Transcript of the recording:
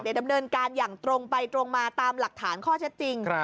ดำเนินการอย่างตรงไปตรงมาตามหลักฐานข้อเท็จจริง